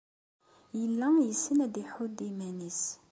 Yella yessen ad iḥudd iman-nnes.